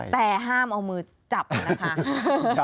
แต่ห้ามเอามือจับนะคะ